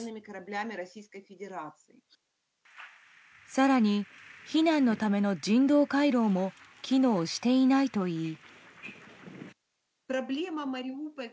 更に、避難のための人道回廊も機能していないといい。